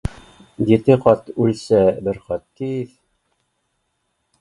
Ете ҡат үлсә, бер ҡат киҫ